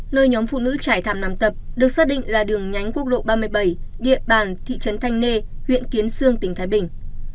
nơi nhóm phụ nữ trải thảm nằm tập được xác định là đường nhánh quốc lộ ba mươi bảy địa bàn thị trấn thanh nê huyện kiến sương tỉnh thái bình